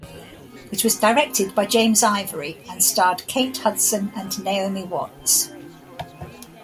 It was directed by James Ivory and starred Kate Hudson and Naomi Watts.